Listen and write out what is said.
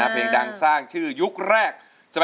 เพลงดังสร้างชื่อยุคแรก